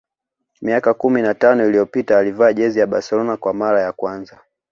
Miaka kumi na tano iliyopita alivaa jezi ya Barcelona kwa mara ya kwanza